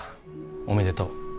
おめでとう。